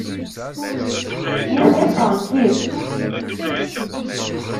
Nitni ḍefren-k-id.